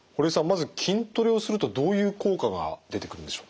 まず筋トレをするとどういう効果が出てくるんでしょう？